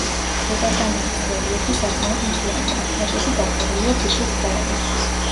დეპარტამენტის რელიეფი საკმაოდ მთიანია; ქედები დაფარულია ფიჭვის ტყეებით.